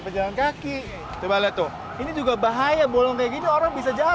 pejalan kaki coba lihat tuh ini juga bahaya bolong kayak gini orang bisa jalan